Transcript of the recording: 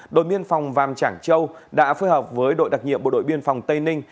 đội biên phòng vàng trảng châu đã phối hợp với đội đặc nhiệm bộ đội biên phòng tây ninh